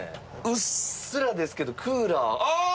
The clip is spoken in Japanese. うっすらですけどクーラーあっ！